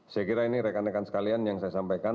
saya kira ini rekan rekan sekalian yang saya sampaikan